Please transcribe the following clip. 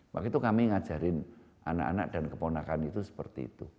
waktu itu kami ngajarin anak anak dan keponakan itu seperti itu